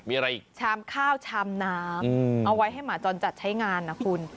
มีอะไรอีกชามข้าวชามน้ำเอาไว้ให้หมาจรจัดใช้งานนะคุณ